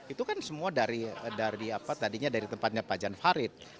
itu kan semua dari tempatnya pak jan farid